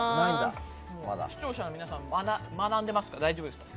視聴者の皆さん学んでますか、大丈夫ですか。